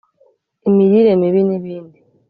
imirire mibi n’ibindi